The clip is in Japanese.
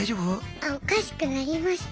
あおかしくなりました。